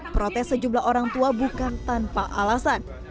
protes sejumlah orang tua bukan tanpa alasan